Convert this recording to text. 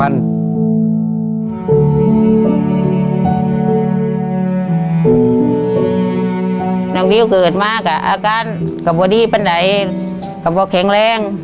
น้องดิวเกิดมากกับอาการกับพอดีเป็นไหนกับพอแข็งแรง